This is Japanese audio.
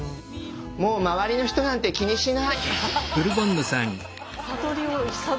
もうまわりの人なんて気にしない！